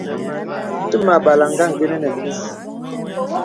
Təmà àbàlàŋ ngà àngənə́ nə mís.